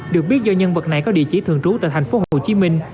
được biết do nhân vật này có địa chỉ thường trú tại thành phố hồ chí minh